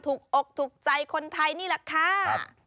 อกถูกใจคนไทยนี่แหละค่ะ